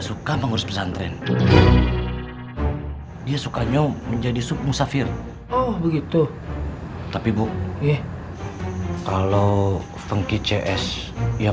suka mengurus pesantren dia sukanya menjadi sub musafir oh begitu tapi bu yeh kalau fengki cs yang